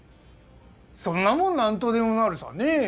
そんなもんなんとでもなるさねえ。